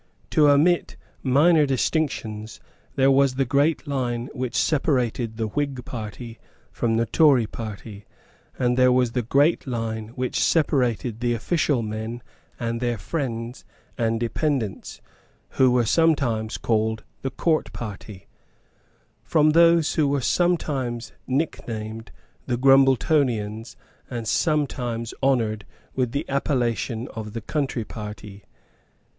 To omit minor distinctions, there was the great line which separated the Whig party from the Tory party; and there was the great line which separated the official men and their friends and dependents, who were sometimes called the Court party, from those who were sometimes nicknamed the Grumbletonians and sometimes honoured with the appellation of the Country party.